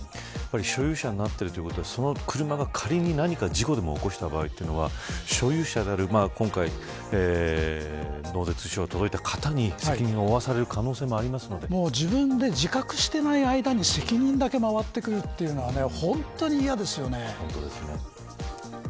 所有者になっているということは、その車が仮に何か事故でも起こした場合今回、納税通知書が届いた方に責任を負わされる可能性も自分で自覚していない間に責任だけ回ってくるというのは本当に嫌ですよね。